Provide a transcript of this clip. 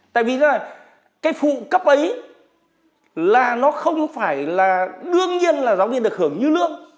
tại vì là cái phụ cấp ấy là nó không phải là đương nhiên là giáo viên được hưởng như lương